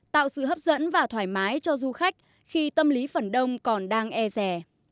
tạo sự hấp dẫn và thoải mái cho du khách khi tâm lý phần đông còn đang e rè